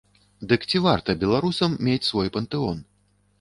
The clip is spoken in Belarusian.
Дык ці варта беларусам мець свой пантэон?